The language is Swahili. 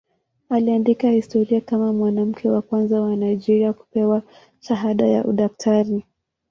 Aliandika historia kama mwanamke wa kwanza wa Nigeria kupewa shahada ya udaktari.